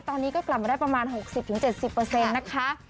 ตอนนี้ก็กลับมาได้ประมาณ๖๐๗๐นะคะ